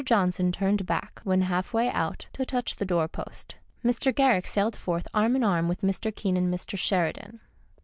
Johnson turned back, when half way out, to touch the doorpost. Mr. Garrick sallied forth arm in arm with Mr. Kean and Mr. Sheridan.